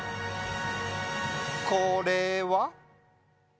これは？